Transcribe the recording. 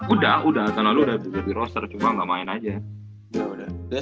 udah tahun lalu udah ada di roster cuma gak main aja